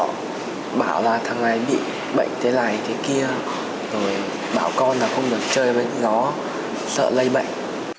họ bảo là thằng này bị bệnh thế này thế kia rồi bảo con là không được chơi với gió sợ lây bệnh